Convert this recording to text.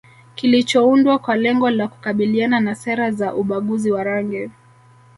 kilichoundwa kwa lengo la kukabiliana na sera za ubaguzi wa rangi